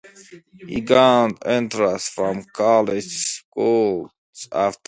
He gained interest from college scouts after.